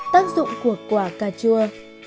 tác dụng của quả cà chua